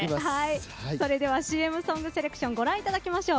それではＣＭソングセレクションご覧いただきましょう。